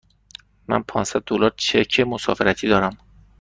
من پانصد دلار چک مسافرتی دارم.